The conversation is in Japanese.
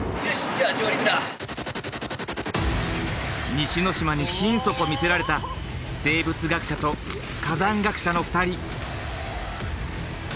西之島に心底魅せられた生物学者と火山学者の２人。